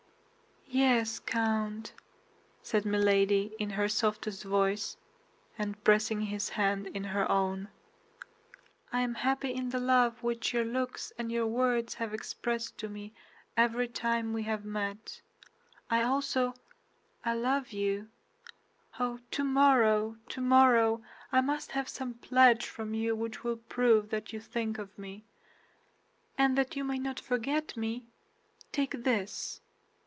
"Yes, Count," said Milady, in her softest voice, and pressing his hand in her own, "I am happy in the love which your looks and your words have expressed to me every time we have met. I also—I love you. Oh, tomorrow, tomorrow, I must have some pledge from you which will prove that you think of me; and that you may not forget me, take this!"